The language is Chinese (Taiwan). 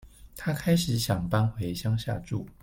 她開始想搬回鄉下住